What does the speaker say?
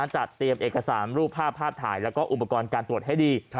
เตรียมเอกสารรูปภาพภาพถ่ายแล้วก็อุปกรณ์การตรวจให้ดี